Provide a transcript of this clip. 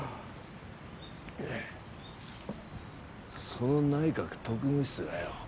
その内閣特務室がよ